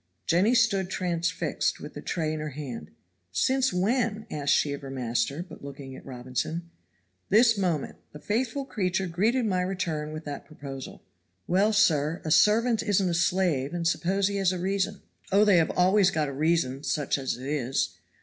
Jenny stood transfixed with the tray in her hand. "Since when?" asked she of her master, but looking at Robinson. "This moment. The faithful creature greeted my return with that proposal." "Well, sir, a servant isn't a slave and suppose he has a reason?" "Oh! they have always got a reason, such as it is.